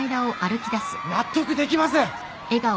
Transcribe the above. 納得できません。